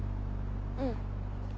うん。